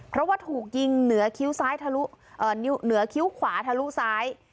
เพราะว่าถูกยิงเหนือคิ้วขวาทะลุซ้าย